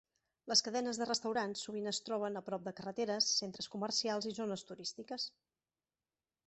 Les cadenes de restaurants sovint es troben a prop de carreteres, centres comercials i zones turístiques.